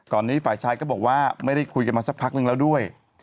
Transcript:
นี้ฝ่ายชายก็บอกว่าไม่ได้คุยกันมาสักพักนึงแล้วด้วย